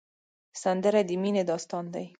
سندره د مینې داستان دی